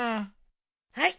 はい。